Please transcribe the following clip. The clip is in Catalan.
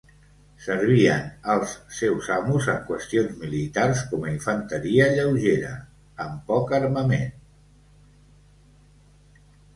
Servien als seus amos en qüestions militars com a infanteria lleugera, amb poc armament.